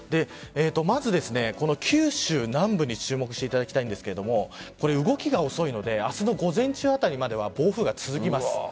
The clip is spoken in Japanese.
まず、九州南部に注目していただきたいんですが動きが遅いので明日の午前中あたりまでは暴風が続きます。